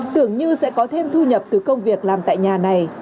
tưởng như sẽ có thêm thu nhập từ công việc làm tại nhà này